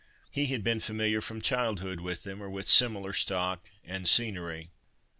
He had been familiar from childhood with them, or with similar stock and scenery.